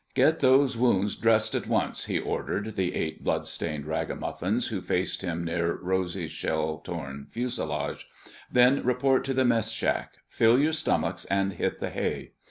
"Get those wounds dressed at once," he ordered the eight bloodstained ragamuffins who faced him near Rosy's shell torn fuselage. "Then report to the mess shack. Fill your stomachs and hit the hay.